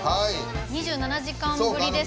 「２７時間」ぶりですが。